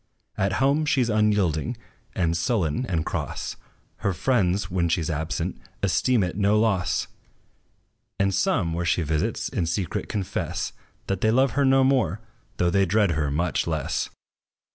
At home, she 's unyielding, and sullen, and cross: Her friends, when she 's absent, esteem it no loss; And some, where she visits, in secret confess, That they love her no more, though they dread her much less.